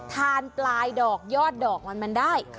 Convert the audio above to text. ทานปลายดอกยอดดอกมันมันได้